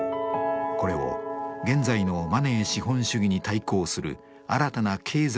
これを現在のマネー資本主義に対抗する新たな経済のモデルとしたのです。